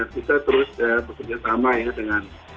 kita terus bekerjasama ya